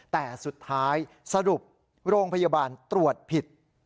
แต่สุดท้ายสรุปโรงพยาบาลตรวจผิด